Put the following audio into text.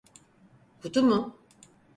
Kutu mu?